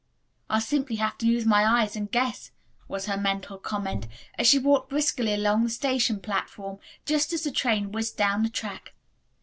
"I'll simply have to use my eyes and guess," was her mental comment, as she walked briskly along the station platform just as the train whizzed down the track.